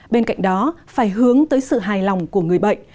bên cạnh đó phải hướng tới sự hài lòng của người bệnh